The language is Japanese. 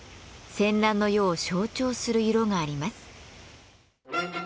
戦乱の世を象徴する色があります。